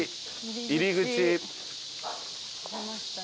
入り口。